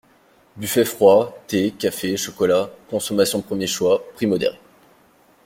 Buffet froid, thé, café, chocolat, consommation premier choix, prix modéré.